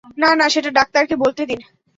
না, না, সেটা ডাক্তারকে বলতে দিন।